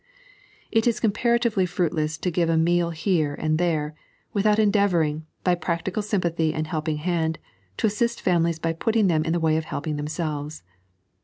It is comparatively tr itless to give a meal here and there, without endeavouring, by practical sympathy and helping hand, to assist families by putting them in the way of helping themselves.